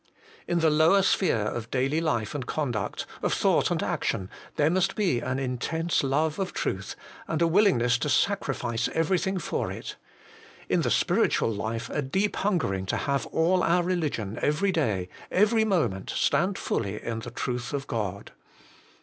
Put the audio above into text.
In the lower sphere of daily life and conduct, of thought and action, there must be an intense love of truth, and a willingness to sacrifice everything for it ; in the spiritual life, a deep hungering to have all our religion every day, every moment, stand fully in the truth of God.